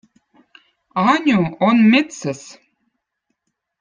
An̕u on mettsez